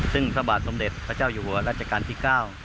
ซึ่งพระบาทสมเด็จพระเจ้าอยู่หัวรัชกาลที่๙